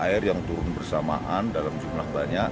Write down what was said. air yang turun bersamaan dalam jumlah banyak